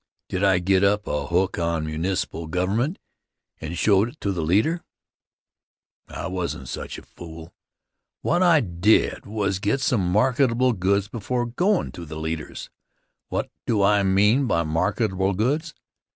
Did I get up a hook on municipal government and show it to the leader? I wasn't such a fool. What I did was to get some marketable goods before goin' to the leaders. What do I mean by marketable goods?